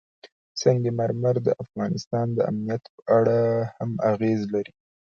سنگ مرمر د افغانستان د امنیت په اړه هم اغېز لري.